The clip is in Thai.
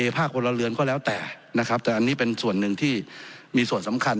ภาคพลเรือนก็แล้วแต่นะครับแต่อันนี้เป็นส่วนหนึ่งที่มีส่วนสำคัญ